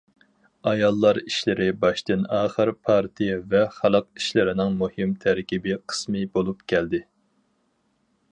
ئاياللار ئىشلىرى باشتىن- ئاخىر پارتىيە ۋە خەلق ئىشلىرىنىڭ مۇھىم تەركىبىي قىسمى بولۇپ كەلدى.